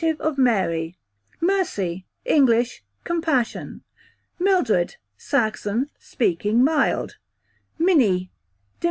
of_ Mary, q.v. Mercy, English, compassion. Mildred, Saxon, speaking mild, Minnie, _dim.